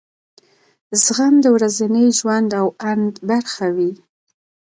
زغم د ورځني ژوند او اند برخه وي.